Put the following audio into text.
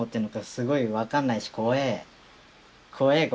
すごい分かんないし怖え！